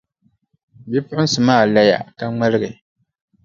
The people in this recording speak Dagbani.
Bipuɣinsi maa laya ka ŋmaligi.